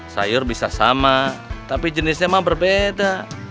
sayur bisa sama tapi jenisnya mah berbeda